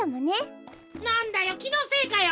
なんだよきのせいかよ